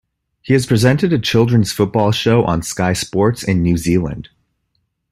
He has presented a children's football show on Sky Sports in New Zealand.